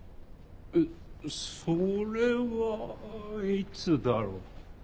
えっそれはいつだろう。